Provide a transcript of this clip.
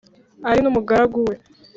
ari n'umugaragu we;